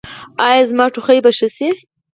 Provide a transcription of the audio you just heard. ایا زما ټوخی به ښه شي؟